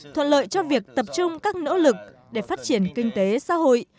thuận lợi cho việc tập trung các nỗ lực để phát triển kinh tế xã hội